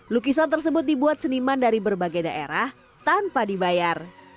lukisan tersebut dibuat seniman dari berbagai daerah tanpa dibayar